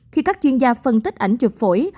khi các chuyên gia phân tích ảnh chụp phổi